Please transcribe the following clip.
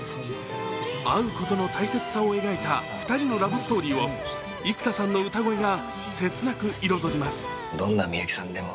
会うことの大切さを描いた２人のラブストーリーを幾田さんの歌声が切なく彩ります。